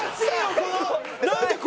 この。